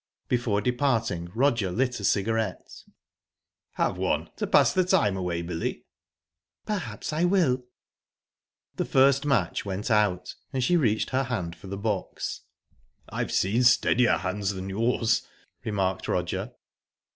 Before departing, Roger lit a cigarette. "Have one, to pass the time away, Billy?" "Perhaps I will." The first match went out, and she reached her hand for the box. "I've seen steadier hands than yours," remarked Roger.